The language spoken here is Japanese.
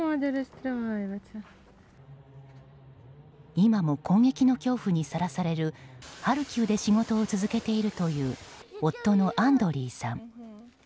今も攻撃の恐怖にさらされるハルキウで仕事を続けているという夫のアンドリーさん。